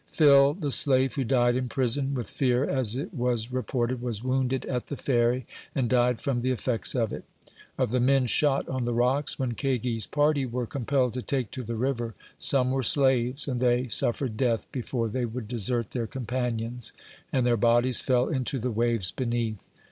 Phil, the slave who died in prison, with fear, as it was report ed, was wounded at the Ferry, and died from the effects of it. Of the men shot on the rocks, when Kagi's party were com pelled to take to the river, some were slaves, and they suffer ed death before they would desert their companions, and their bodies fell into the waves beneath.